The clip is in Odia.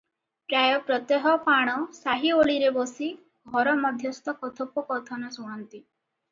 ପ୍ରାୟ ପ୍ରତ୍ୟହ ପାଣ ସାହି ଓଳିରେ ବସି ଘର ମଧ୍ୟସ୍ଥ କଥୋପକଥନ ଶୁଣନ୍ତି ।